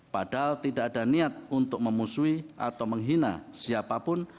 padahal tidak ada niat untuk memusuhi atau menghina siapapun